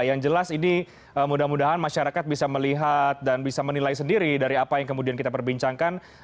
yang jelas ini mudah mudahan masyarakat bisa melihat dan bisa menilai sendiri dari apa yang kemudian kita perbincangkan